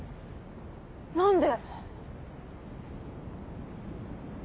何で？